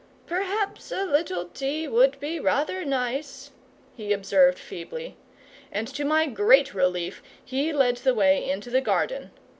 "Perhaps a little tea would be rather nice," he observed, feebly; and to my great relief he led the way into the garden.